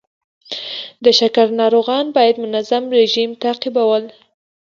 د شکر ناروغان باید منظم رژیم تعقیبول.